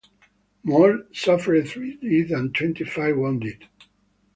"Moale" suffered three dead and twenty-five wounded.